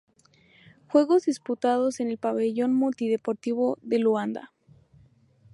Juegos disputados en el Pabellón Multideportivo de Luanda.